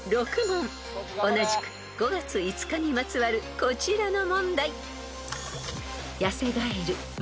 ［同じく５月５日にまつわるこちらの問題］